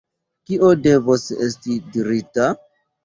kio devos esti dirita?